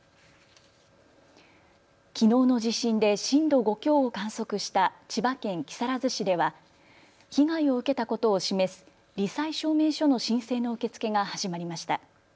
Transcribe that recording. きのうの地震で震度５強を観測した千葉県木更津市では被害を受けたことを示すり災証明書の申請の受け付けが始まりました。